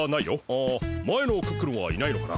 あまえのクックルンはいないのかな？